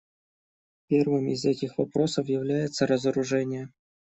Первым из этих вопросов является разоружение.